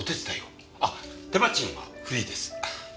あっ手間賃はフリーです。